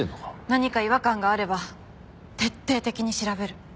何か違和感があれば徹底的に調べる。